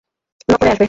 Knock করে আসবে।